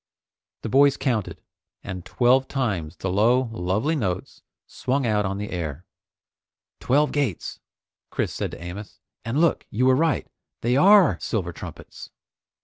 The boys counted, and twelve times the low, lovely notes swung out on the air. "Twelve gates!" Chris said to Amos, "And look, you were right, they are silver trumpets!"